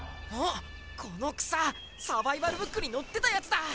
あっこのくさサバイバルブックにのってたやつだ！